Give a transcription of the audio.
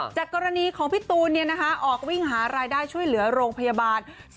จากกรณีของพี่ตูนออกวิ่งหารายได้ช่วยเหลือโรงพยาบาล